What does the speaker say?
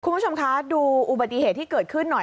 คุณผู้ชมคะดูอุบัติเหตุที่เกิดขึ้นหน่อย